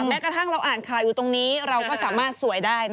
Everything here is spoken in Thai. แม้กระทั่งเราอ่านข่าวอยู่ตรงนี้เราก็สามารถสวยได้นะ